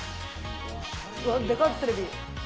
うわでかっテレビ。